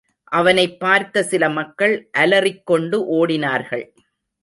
அவனைப் பார்த்த சில மக்கள் அலறிக் கொண்டு ஓடினார்கள்.